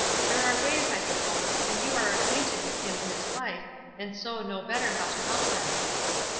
"There are ways, I suppose; and you are acquainted with him and his wife, and so know better how to help them."